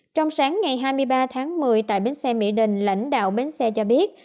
trong sáng ngày hai mươi ba tháng một mươi tại bến xe mỹ đình lãnh đạo bến xe cho biết